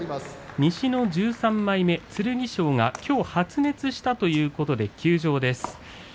西の１３枚目、剣翔がきょう発熱したということで休場です。